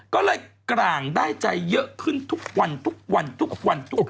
ก็เลยกร่างได้ใจเยอะขึ้นทุกวัน